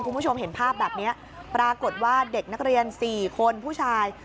คุณผู้ชมเห็นภาพแบบนี้ปรากฏว่าเด็กนักเรียน๔คนผู้ชาย